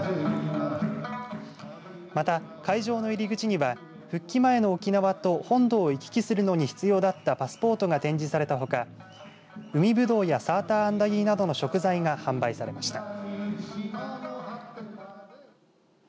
また会場の入り口には復帰前の沖縄と本土を行き来するのに必要だったパスポートが展示されたほか海ぶどうやサーターアンダギーなどの食材が販売されました。